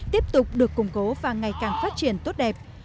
tiếp tục được củng cố và ngày càng phát triển tốt đẹp